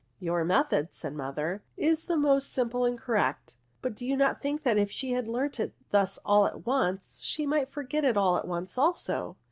" Your method," said hqr mother, " is the most simple and correct ; but do you not think that if she learnt it thus all at once, she might forget it all at once, also